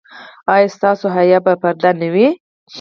ایا ستاسو حیا به پرده نه وي؟